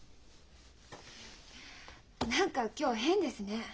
何か今日変ですね。